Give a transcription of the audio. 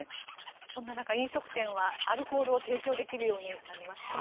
そんな中、飲食店はアルコールを提供できるようになりますね。